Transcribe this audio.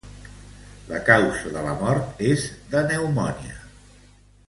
La causa de la mort és de pneumònia.